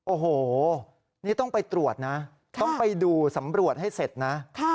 โอ้โหนี่ต้องไปตรวจนะต้องไปดูสำรวจให้เสร็จนะ